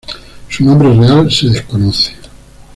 Su nombre real se desconoce.